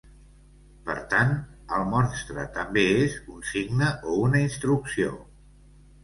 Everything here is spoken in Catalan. Per tant, el monstre també és un signe o una instrucció.